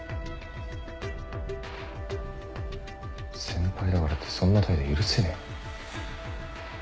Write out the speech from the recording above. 先輩だからってそんな態度許せねえ。